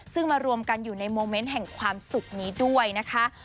ซึ่งมารวมกันอยู่ในโมเมนต์แห่งความสุขนี้ด้วยนะคะ